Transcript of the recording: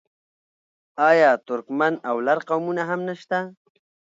آیا ترکمن او لر قومونه هم نشته؟